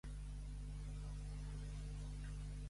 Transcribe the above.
Torcar-se les morrandes.